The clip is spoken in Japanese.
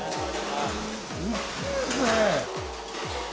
大きいですね。